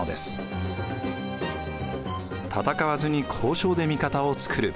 戦わずに交渉で味方を作る。